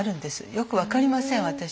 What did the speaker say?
よく分かりません私には。